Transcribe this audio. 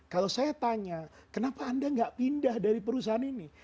kalau saya tanya kenapa anda nggak pindah dari perusahaan ini